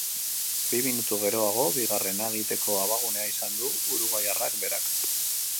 Bi minutu geroago, bigarrena egiteko abagunea izan du uruguaiarrak berak.